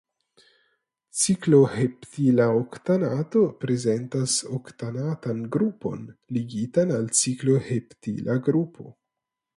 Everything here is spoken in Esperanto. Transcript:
Cikloheptila oktanato prezentas oktanatan grupon ligitan al cikloheptila grupo.